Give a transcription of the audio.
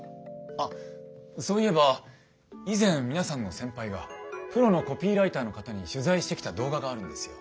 あっそういえば以前皆さんの先輩がプロのコピーライターの方に取材してきた動画があるんですよ。